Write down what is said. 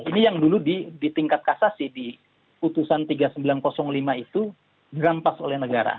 ini yang dulu di tingkat kasasi di putusan tiga ribu sembilan ratus lima itu dirampas oleh negara